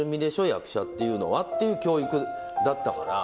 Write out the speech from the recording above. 役者っていうのはっていう教育だったから。